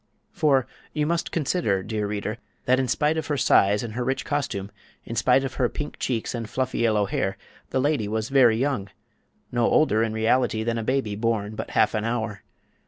For you must consider, dear reader, that in spite of her size and her rich costume, in spite of her pink cheeks and fluffy yellow hair, this lady was very young—no older, in reality, than a baby born but half an hour.